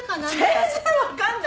全然分かんないよ。